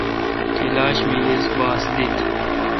کلاش می اس باس دیت۔